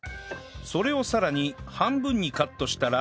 それをさらに半分にカットしたら